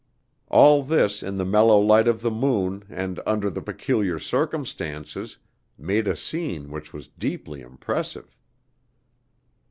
All this in the mellow light of the moon, and under the peculiar circumstances, made a scene which was deeply impressive.